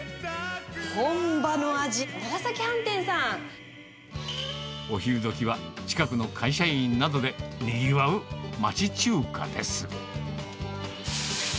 本場の味、お昼どきは近くの会社員などでにぎわう町中華です。